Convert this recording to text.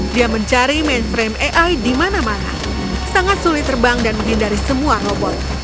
dia mencari mainframe ai di mana mana sangat sulit terbang dan menghindari semua robot